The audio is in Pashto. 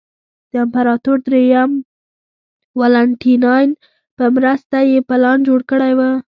د امپراتور درېیم والنټیناین په مرسته یې پلان جوړ کړی و